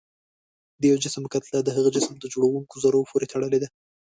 د یو جسم کتله د هغه جسم د جوړوونکو ذرو پورې تړلې ده.